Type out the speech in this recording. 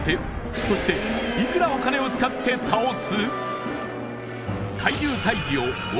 そしていくらお金を使って倒す？